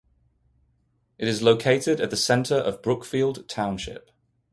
It is located at the center of Brookfield Township.